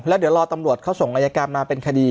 แล้วเดี๋ยวรอตำรวจเขาส่งอายการมาเป็นคดี